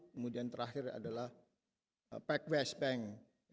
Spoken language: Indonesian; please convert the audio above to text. kemudian terakhir adalah pax west bank